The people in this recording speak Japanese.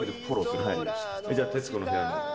じゃあ『徹子の部屋』の。